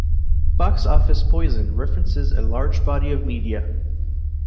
"Box Office Poison" references a large body of media.